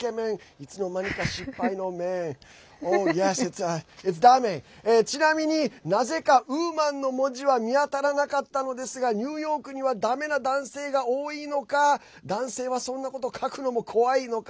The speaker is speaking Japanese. いつの間にか失敗のメンズ。Ｄａｍｅｍａｎ．ちなみになぜか「ウーマン」の文字は見当たらなかったのですがニューヨークにはだめな男性が多いのか男性はそんなこと書くのも怖いのか。